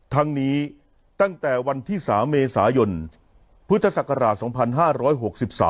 ทั้งนี้ตั้งแต่วันที่๓เมษายนพุทธศักราช๒๕๖๓